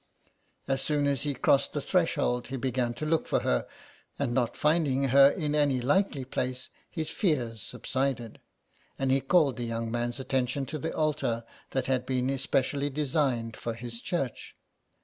As soon as he crossed the threshold he began to look for her, and not finding her in any likely place, his fears subsided, and he called the young man's attention to the altar that had been specially designed for his church.